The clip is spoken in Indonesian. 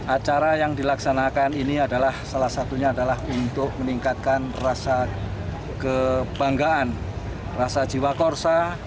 acara yang dilaksanakan ini adalah salah satunya adalah untuk meningkatkan rasa kebanggaan rasa jiwa korsa